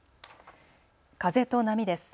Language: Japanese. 風と波です。